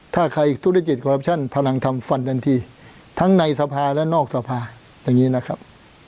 ถ้าใครสู้ด้วยจิตกลับชั่นพลังธรรมฟันทันทีทั้งในทรภาพและนอกทรภาพอย่างนี้นะครับ